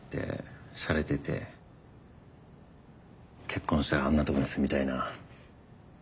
結婚したらあんなとこに住みたいな。